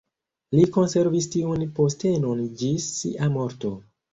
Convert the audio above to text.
Li konservis tiun postenon ĝis sia morto.